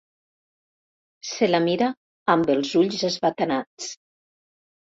Se la mira amb els ulls esbatanats.